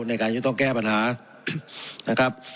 ในการที่ต้องแก้ปัญหานะครับ